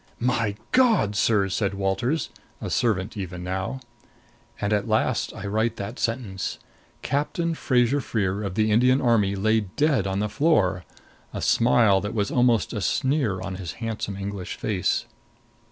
"My God, sir!" said Walters, a servant even now. And at last I write that sentence: Captain Fraser Freer of the Indian Army lay dead on the floor, a smile that was almost a sneer on his handsome English face!